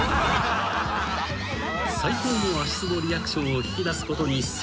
［最高の足つぼリアクションを引き出すことに成功したのだ］